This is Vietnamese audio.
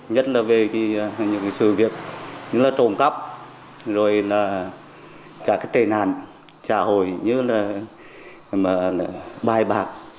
nhất là về những sự việc như là trộm cắp rồi là cả cái tên hàn trả hồi như là bài bạc